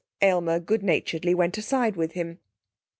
Aylmer good naturedly went aside with him.